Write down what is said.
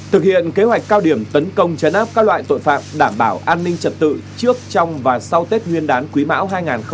thực hiện kế hoạch cao điểm tấn công chấn áp các loại tội phạm đảm bảo an ninh trật tự trước trong và sau tết nguyên đán quý mão hai nghìn hai mươi bốn